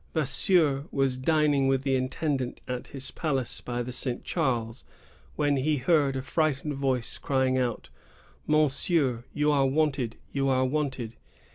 Vasseur was dining with the intendant at his palace by the St. Charles, when he heard a frightened voice crying out, " Monsieur, you are wanted! you are wanted!"